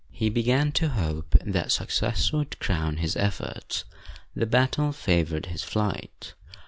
He began to hope that success would crown his efforts. The battle favored his flight.